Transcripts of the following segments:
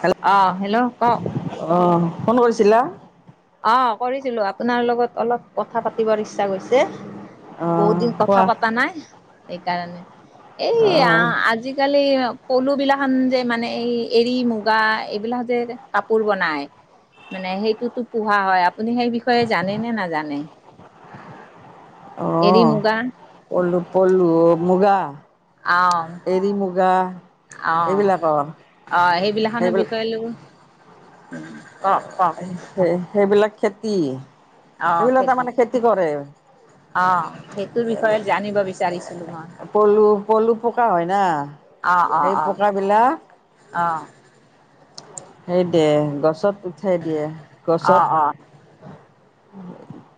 Hello অ', hello কওঁক। অঁ ফোন কৰিছিলা অহ বহুত দিন অঁ কথা পতা নাই এইকাৰণে এই অঁ আজিকালি পলু বিলাহন যে মানে এই এৰি মুগা এইবিলাক যে কাপোৰ বনাই মানে সেইটোতো পোহা হয় আপুনি সেই বিষয়ে জানে নে নাজানে? এৰী আহ মুগা পলু প্লু মুগা অ', এড়ি মুগা অ এইবিলাকৰ অ সেইবিলাখনৰ সেইবিলাক বিষয়ে লৈ কওক কওক সেই সেইবিলাক খেতি এইবিলা তাৰমানানে খেতি কৰে অহ সেইটো বিষয়ে জানিব বিচাৰিছিলো মই পলু পলু পকা হয় না অ অ সেই অ পোকাবিলাক অ সেই দে গছত উঠাই দিয়ে গছত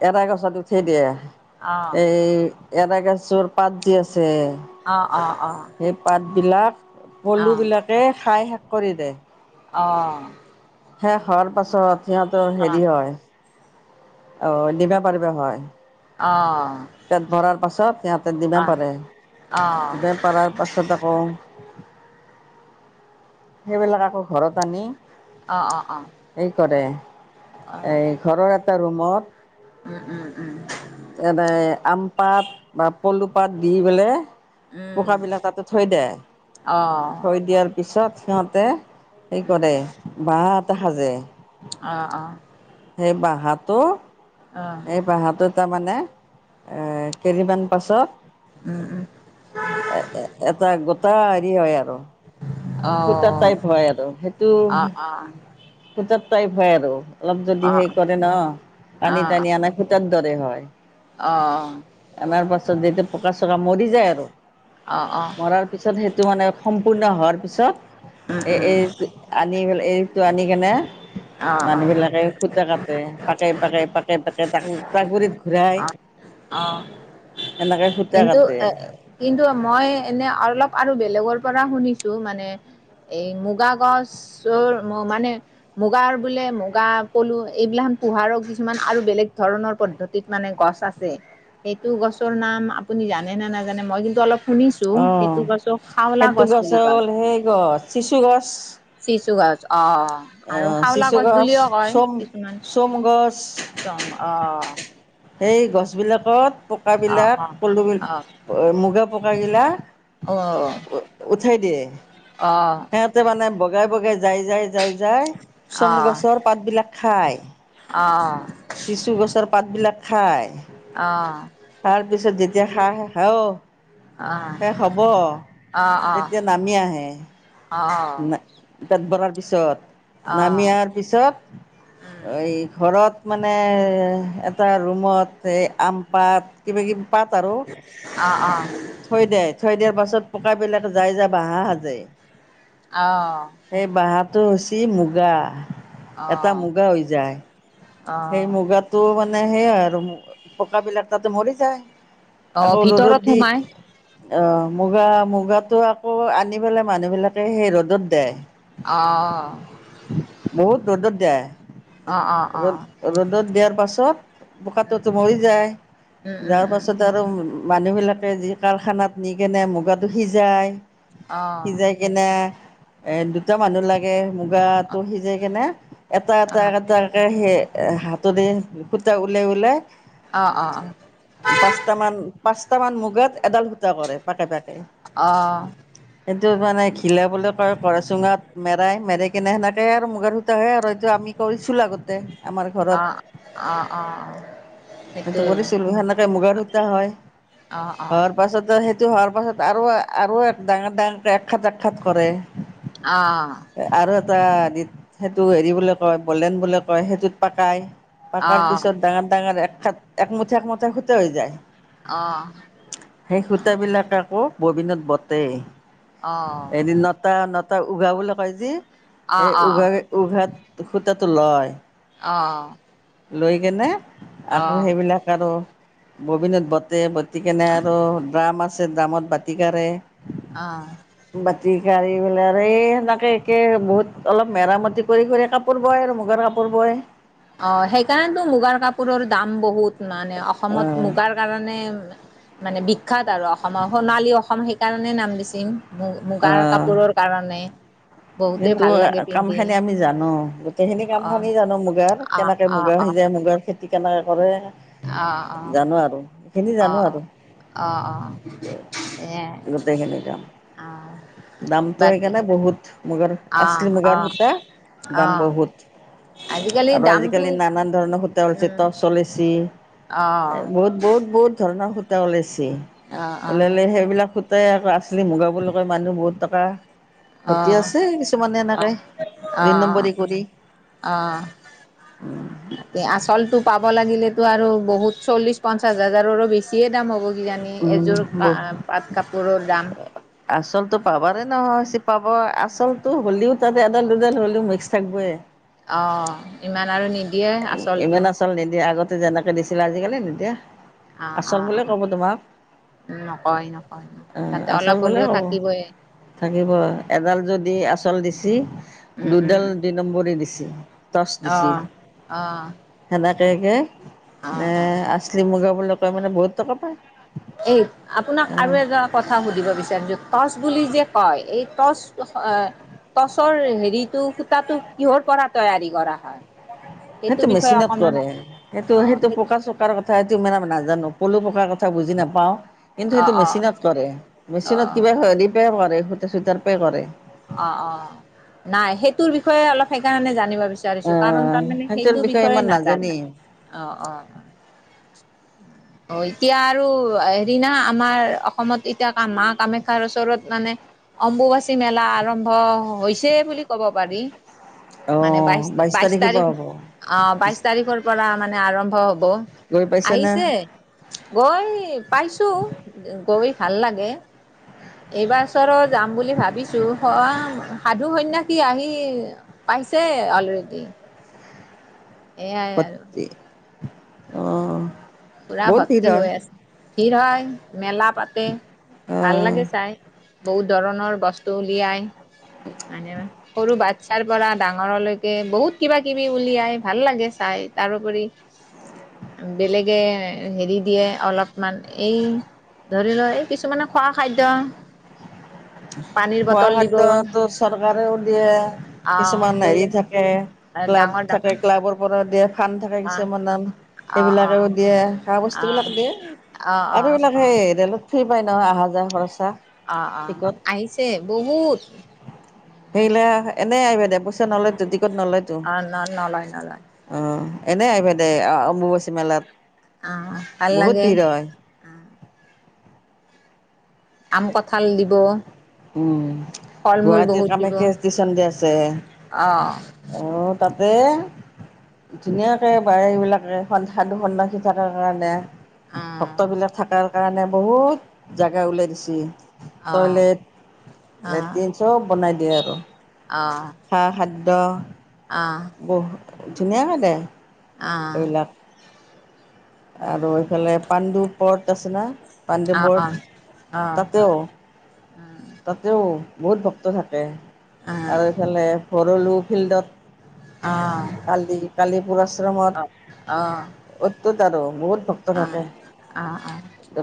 এটা গছত উঠেই দিয়ে এই এড়াগছৰ পাত যি আছে সেই পাত বিলাক পলু বিলাকে খাই শেষ কৰি দে- অঁ। শেষ হোৱাৰ পাছত- সিহঁতৰ হেৰি হয়। অ দিবা পাৰিব হয়। অ। পেট ভৰাৰ পাছত সিহঁতে দিমা পাৰে দিমা পৰাৰ পাছত আকৌ- সেইবিলাক আকৌ ঘৰত আনি- অঁ অঁ অঁ। হেৰি কৰে এই ঘৰৰ এটা ৰুম - মত উম, উম। এ বে আম পাত বা পলু পাত দি পেলাই পোকাবিলাক তাতে থৈ দে, থৈ দিয়াৰ পিছত সিহঁতে হে কৰে বাহা এটা সাজে। সেই বাহাটো এই বাহাটো তাৰমানে এ কেইদমান পাছত এ - এ -এটা গোটা হেৰি হয় আৰু। সূতাৰ টাইপ হয় আৰু সেইটো সূতাৰ টাইপ হয় আৰু। অলপ যদি সেই কৰে ন' টানি - টানি আনে আমাৰ সূতাৰ দৰে হয় আনাৰ পাছ পিছত যদি এতিয়া পকা চকা মৰি যায় আৰু মৰাৰ পিছত সেইটো মানে সম্পূৰ্ণ হোৱাৰ পিছত এ- এ এইটো আনি [unintelligible] আনি এ মানুহ বিলাকে সুতা কাটে পাকে-পাকে- পাকে-পাকে তাকো তাকুৰিত ঘূৰাই এনেকে সূতা কিন্তু কাটে এ কিন্তু মই এনে অলপ আৰু বেলেগৰ পৰা শুনিছো মানে এই মুগা গছৰ মানে মুগাৰ বোলে মুগা পলু এইবিলাখান পোহাৰৰ কিছুমান আৰু বেলেগ ধৰণৰ পদ্ধতিত মানে গছ আছে সেইটো গছ ৰ নাম আপুনি জানে নে নাজানে মই কিন্তু অলপ শুনিছো সেইটো অঁ গছো খাওলা সেইটো গছ বুলি কয় হ'ল সেই গছ চিচু গছ চিচু গছ অ, আৰু আহ শাউলা চিচু গছ বুলিয় কয় চোম কিছুমান চোম গছ একদম অ, সেই গছ বিলাক [unintelligible] পকা অ বিলাক পলু [unintelligible] অ, মুগা পকা গি লা উ উঠাই দে। অ সিহঁতে মানে বগাই বগাই যাই যাই যাই যাই অ চমু গছৰ পাত বিলাক খাই। অ অ চিচু গছৰ- পাতবিলাক খায়। অ' আৰু পিছত যে [unintelligible] শেষ হ'ব তেতিয়া নামি আহে। পেট ভৰাৰ পিছত, নামি আহাৰ পিছত এই ঘৰত মানে এটা ৰুমত এই আম পাত কিবা কিবি পাত আৰু থৈ দে থৈ দিয়াৰ পাছত পকাবিলাক যাই যাই বাঁহ সাজে। আহ হাঁহটো হৈছে মুগা। এটা মুগা হৈ যায়। সেই মুগাটো মানে সেইয়াই আৰু পকাবিলাক তাতে মৰি যায় আকৌ ৰদত ভিতৰত দি সোমাই অ মুগা মুগাটো আকৌ আনি পেলাই মানুহ বিলাকে সেই ৰ'দত দে আহ আহ বহুত ৰ'দত অৱ দিয়ে অৱ ৰ'দ অৱ। ৰদত দিয়া। তাৰ পাছত পোকাটোতো মৰি যায় উম উম যাৰ উম পাছত আৰু উম। মানুহবিলাকে যি কাৰখানাত নি কেনে মুগাটো সিজায়। অ' অ' সিজাই কেনে এ দুটা মানুহ লাগে। মুগাটো সিজাই কেনে এটা এটা অ' এটাকে সেই হাতৰে সূতা ওলাই ওলাই অ' পাঁচটা মান পাঁচ তামান মোগাত এডাল সূতা কৰে পাকে পাকে অ' সেইটো মানে ঘিলাবলৈ কয় কৰে চুঙাত মেৰাই মেৰি কিনে সেনেক আৰু মুগাৰ সূতা হয় আৰু। সেইটো আমি কৰিছিলো আগতে। ঘৰত অ' অ' অ' সেইটো সেইটোৱে কৰিছিলো সেনেকে মুগাৰ সূতা হয় অ' অ' হোৱাৰ পাছত সিটো হোৱাৰ পাছত আৰু আৰু ডাঙৰ ডাঙৰকে আক্ষাত আাক্ষাত কৰে অ' অ' আৰু এটা সেইটো হেৰি বলে কয় বলেন বলে কয়। সেই পাকাই অ' অ' পাকাৰ পিছত ডাঙৰ ডাঙৰ একাত একমুঠা একমুঠা সূতা হৈ যায়। অ' অ' অ' সেই সূতাবিলাক আকৌ ববিনত বতে এৰি নটা নটা উঘা বুলি কয় যি সেই উঘা উঘাত সুতাটো লয়। অ। লৈ কেনে আকৌ অ' সেইবিলাক আৰু ববিনত বটে বতি কেনে আৰু ড্ৰামা আছ ছে ড্ৰামত বাত তি কাৰে, অ' বাতি কাৰি [unintelligible] এই বিলাকেই কে বহুত অলপ মেৰামতি কৰি কৰি কাপ কাপোৰ বয় আৰু মুগৰ কাপোৰ বয় অ সেইকাৰণেতো মুগাৰ কাপোৰৰ দাম বহুত মানে অসমত অঁ মুগাৰ কাৰণে মানে বিখ্যাত আৰু অসমৰ সোণালী অসম সেইকাৰণে নাম দিচিঙ মু মুগাৰ অঁ কাপোৰৰ কাৰণে বহুতেই কিন্তু ভাল লাগে কাম পিন্ধি খানি আমি জানো গোটেইখিনি কাম খিনি অ', জানো মো [unintelligible] মুগাৰ অ', কেনেকে অ', মুগা অ', হৈ অ', যায় মুগাৰ খেতি কেনেকে কৰে অ', জানো আৰু সেই খিনি অ', জানো অ', আৰু অ', অ', এয়াই গোটেইখিনি দাম অ', দামটো বাকী সেইকাৰণে বহুত মুগাৰ অ', আছলি মুগাৰ অ', সূতা দাম অ', বহুত আজিকালি আৰু দামটো আজিকালি নানান ধৰণৰ সূ উম, [unintelligible] [unintelligible] চলেছি অ', বহুত বহুত বহুত ধৰ [unintelligible] [unintelligible] সূতা ওলাইছে অ', অ', ওলালে সেইবিলাক সূতাই আকৌ আচলি মুগা বুলি [unintelligible] [unintelligible] মানুহ বহুত টকা অ ঘটি আছে কিছুমানে অ এনেকে অ দুই নম্বৰী কৰি অ তে আচলটো পাব লাগিলে, [unintelligible] আৰু বহুত চল্লিশ পঞ্চাশ হাজাৰৰো বেছিয়ে দাম হ'ব কিজানি উম এযোৰ ব পাট কাপোৰৰ দাম আচলতটো পাবাৰে নহয় [unintelligible] পাব আচলতো হ'লিও তাত এডাল দুডাল হ'লেও মিক্স থাকিবই অ ইমান আৰু নি [unintelligible] ইমান আচল নিদিয়ে আগত [unintelligible] যেনেকে দিছিলে আজিকালি নিদিয়ে, অঁ আচল অঁ বোলে অঁ কব তোমাক নকয় নকয় অ নকয় তাতে আচল অলপ বোলে হ'লেও কব থাকিবই থাকিব এডাল যদি আচল দিছি দুডাল অঁ দুই নম্বৰী দিছ [unintelligible] [inaudible] টৰ্চ দিছি অঁ অঁ সেনেকেকে নে অঁ আছলি [unintelligible] মুগা বুলি কয় মানে বহুত টকা পায়। এই আপোনাক আহ আৰু এটা কথা সুধিব বিচাৰিছো, টচ বুলি যে কয় এই টচ টচৰ হেৰিটো সুতাটো কিহৰ পৰা তৈয়াৰী কৰা হয়। সেইটো বিষয়ে মেচিনত অকণমান কৰে সেইটো অঁ সেইটো সেই পকা চোকাৰ কথা সেইটো ইমান নাজানো পলু পক্ষত কিবা কথা বুজি নাপাওঁ। কিন্তু অঁ সেইটো অঁ মেচিনত কৰে মেচিনত অ', কিবা হেৰী পাই কৰে চুইটাৰ পে কৰে অ অ নাই সেইটোৰ বিষয়ে অলপ সেইকাৰণে জানিল আৰু বিচাৰিছো কাৰণ আহ তাৰমানে সেইটোৰ সেইটো বিষয়ে বিষয়য়ে ইমান নাজানো নাজানিম অ! অ! অ এতিয়া আৰু হেৰি না আমাৰ অসমত এতিয়া কামা মা কামাখ্যাৰ ওচৰত মানে অম্বুবাচী মেলা আৰু আৰম্ভ হৈছে বুলি ক'ব পাৰি। মানে অঁ বাইশ বাইছ বাইশ তাৰিখে তাৰিখ পৰা হ'ব অ বাইশ তাৰিখৰ পৰা মানে আৰম্ভ হ'ব গৈ পাইছেনে আহিছে গৈ পাইছো গৈ ভাল লাগে। এইবাৰ চৰত যাম বুলি ভাবিছোঁ, সহ হাত দু সন্ন্যাসী আহি পাইছে অলৰেডি। এয়াই আৰু। অ'। পুৰা ভৰ্তি হৈ আছে। ভিৰ হয়। মেলা পাতে, ভাল লাগে খোৱা চাই। বহুত ধৰণৰ বস্তু উলিয়াই। মানে সৰু বাট চ্ছাৰ পৰা ডাঙৰলৈকে বহুত কিবা-কিবি উলিয়াই, ভাল লাগে চাই। তাৰোপৰি বেলেগ, হেৰি দিয়ে অলপমান এই ধৰি লোৱা এই কিছুমানে খোৱা খাদ্য। পানীৰ খোৱা বটল দিব খাদ্যটো চৰকাৰেও দিয়ে। আহ কিছুমান হেৰি বেলেগ থাকে ক্লাব ডাঙৰ থাকে ডাঙৰ ক্লাবৰ পৰাও দিয়ে, ফাণ্ড থাকে আহ কিছুমানৰ অ', অ', সেইবিলাকেও দিয়ে। খোৱা অ', বস্তুবিলাক দিয়ে। অ', আৰু অ', এইবিলাক সেই জেলত ফ্ৰী পাই ন, অহা যোৱাৰ খৰচা। অ', অ', টিকট আহিছে বহুত হেৰিলে এনেই আহিবা দে, পইচা নলয়তো টিকট নলয়তো। অ', ন নলয় নলয় অ', এনেই আহিবা দেই, অ-অম্বুবাচী মেলাত। অ', ভাল বহুত লাগে ভিৰ হয়। আম কঁঠাল দিব। উম ফল মূল গুৱাহাটীৰ বহুত দিব কামাখ্যা ষ্টিচন দি আছে অ', অঁ তাত এ তাতে ধুনীয়াকৈ বাৰে এইবিলাকে স সাধু সন্ন্যাসী থাকে কাৰণে,, অ', অ', ভক্তবিলাক থাকাৰ কাৰণে বহুত জাগা ওলাই দিছি। অ', টয়লেট, অ', লেট্ৰিন চব বনাই দিয়ে আৰু, খা খাদ্য- অ', অ', বহু ধুনীয়াকৈ হৈছে অআ আৰু এইফালে পাণ্ডু পট আছে না, পাণ্ডু অ', পৰত অ', অ', তাতেও উম, উম, তাতেও বহুত ভক্ত থাকে, আৰু এইফালে সৰুলো ফিল্ডত অ', অ', অ', কালি কালি অ', পৰশ্ৰুৰামত ত আৰু বহুত ভক্ত থাকে অ অ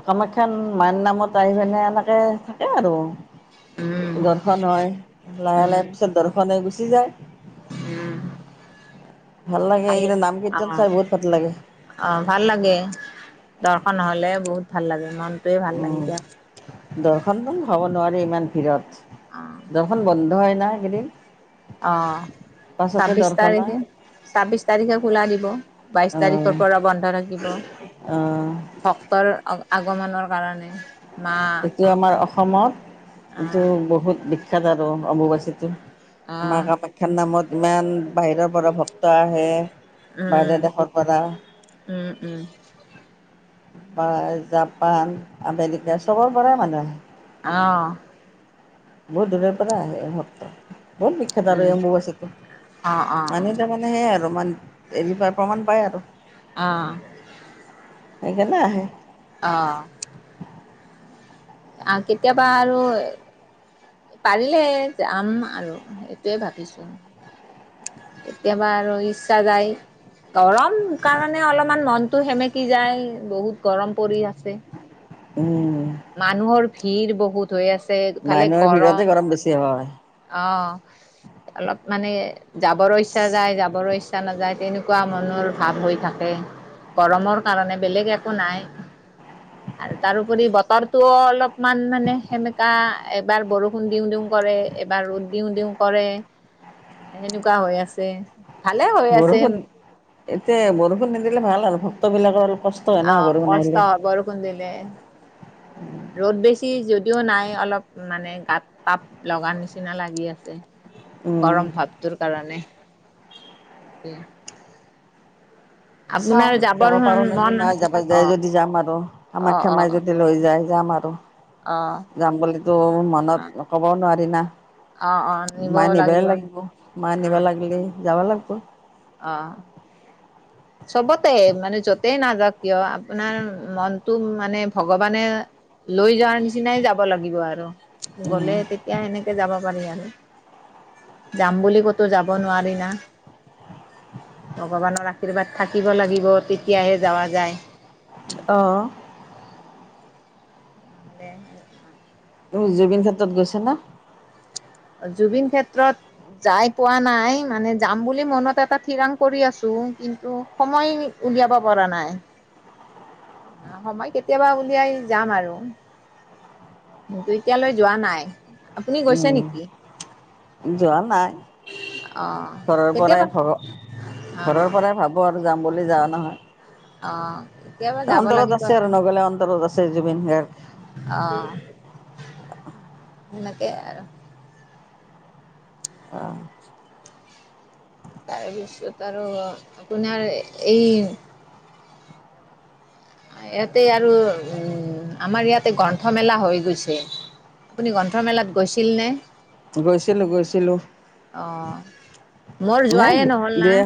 কামাখ্যা মাই নামত আহি পেনে এনেকে থাকে আৰু উম, দৰ্শন হয় লাহে লাহে উম, পিছত দৰ্শনে গুচি যায় উম, লাগে ভাল এইকেইটা নাম অ কীৰ্তন চাই বহুত ভাল লাগে অ ভাল লাগে দৰ্শন হলে বহুত ভাল লাগে ইন উম দৰ্শন হ'ব নোৱাৰে ইমান ভিৰত অ নহয় না এইকেইদিন অ পাছতে ছাব্বিশ দৰ্শন হয় তাৰিখে ছাব্বিশ তাৰিখে খোলা দিব বাইশ তাৰিখৰ আহ পৰা বন্ধ থাকিব আহ ভক্তৰ আগমনৰ কাৰণে মা এইটো আমাৰ অসমত এইটো আহ বহুত বি খ্যাত আৰু অমুবাচীটো আমাৰ আহ কামাখ্যাৰ নামত ইমান বাহিৰৰ বৰ ভক্ত আহে বাহিৰা উম দেশৰ পৰা উম উম বা জাপান আম এতিয়া চবৰ পৰাই মানুহ অঁ বহুত দূৰৰ পৰা আহে ইহঁত [unintelligible] বহুত বিখ্যাত আৰু উম এম্বুবাচীটো অ', অ', মানুহ তাৰমানে সেয়াই আৰু মান হৰি প্ৰমাণ পায় আৰু অ', সেইকাৰণে আহে। অ আহ কেতিয়াবা আৰু পাৰিলে যাম আৰু সেইটোৱে ভাবিছো কেতিয়াবা আৰু ইচ্ছা যায় গৰম কাৰণে অলপমান মনটো সেমেকি যায় বহুত গৰম পৰি আছে। উম। মানুহৰ ভিৰ ব হুত হৈ আছে ভালে মানুহৰ ভিৰতে গৰম বেছি হয় অ অলপ মানে যাবৰ ইচ্ছা যায় যাবৰ ইচ্ছা নাযায় তেনেকুৱা একুৱা মনৰ ভাৱ হৈ থাকে গৰমৰ কাৰণে বেলেগ একো নাই আৰু তাৰোপৰি বতৰটো অলপমান মানে সেমেকা এবাৰ বৰষুণ দিও দিও কৰে এবাৰ ৰ'দ দিও দিও কৰে সেনেকুৱা হৈ আছে ভালে হৈ আছে। বৰষুণ এতিয়া বৰষুণ নিদিলে ভাল আৰু ভক্তবিলাকৰ অল অ', কষ্ট হয় বৰষুণ দিলে। ৰ'দ বেছি যদি ছিও নাই, অলপ মানে গাত তাপ লগা নিচিনা লাগি আছে। উম, গৰম ভাৱটোৰ কাৰণে। তাকে। চাও যাব যাবৰ পাৰো নেকি, মন মাই যাব যাই অ' যদি যাম আৰু অ' কামাখ্যা অ' মাই যদি লৈ যায়। যাম আৰু। অ' অ' যাম বুলিতো মনত ক'বও নোৱাৰি দিনা অ' অ' নিব মাই নিবাই লাগিব, মাই নিবা অ' লাগিলি যাব লাগিব। [unintelligible] অ', চবতে মানে য'তেই নাযাওক কিয়, আপোনাৰ মনটো মানে ভগৱানে লৈ যোৱাৰ নিচিনাই যাব লাগিব আৰু। উম গ'লে তেতিয়া সেনেকে যাব পাৰি আৰু। যাম বুলি ক'তো যাব নোৱাৰি না। ভগৱানৰ আ শীৰ্বাদ থাকিব লাগিব, তে তিয়াহে যাৱ যায়। আহ দে। তুমি জুবিন ক্ষেত্ৰত গৈছানে? জুবিন ক্ষেত্ৰত যাই পোৱা নাই। মানে যাম বুলি মনত এটা ঠিৰাং কৰি আছো, কিন্তু সময় উলিয়াব পৰা নাই। সময় কেতিয়াবা উলিয়াই যাম আৰু কিন্তু এতিয়ালৈ যোৱা নাই। আপুনি গৈছে উম নেকি? যোৱা নাই। অঁ ঘৰৰ কেতিয়াবা পৰাই অঁ ঘৰৰ পৰাই ভাবো আৰু। যাম বুলি যাৱা নহয়। অ' কেতিয়াবা যাব অন্তৰত লাগিব আছে আৰু, নগলে অন্তৰত আছে জুবিন গাৰ্গ অ' এয়া আৰু অ' তাৰপিছত আৰু আপোনাৰ এই ইয়াতে আৰু উম্ আমাৰ ইয়াতে গ্ৰন্থমেলা হৈ গৈছে৷আপুনি গ্ৰন্থমেলাত গৈছিল নে? গৈছিলো গৈছিলো৷ অঁ মোৰ হে' যোৱাই নহ'ল না দিয়া